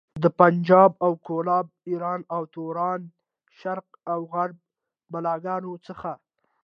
د پنجاب او کولاب، ايران او توران، شرق او غرب بلاګانو څخه.